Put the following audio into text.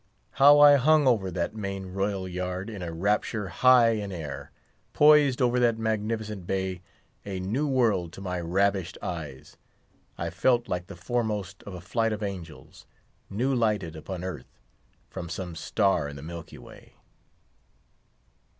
How I hung over that main royal yard in a rapture High in air, poised over that magnificent bay, a new world to my ravished eyes, I felt like the foremost of a flight of angels, new lighted upon earth, from some star in the Milky Way.